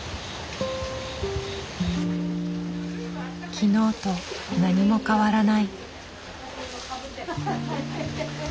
昨日と何も変わらない。